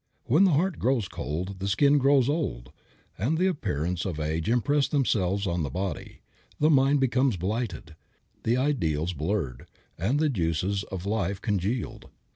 When the heart grows cold the skin grows old, and the appearances of age impress themselves on the body. The mind becomes blighted, the ideals blurred, and the juices of life congealed.